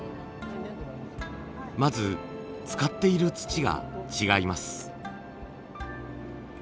まず使っている土が違います。